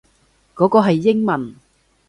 嗰個係英文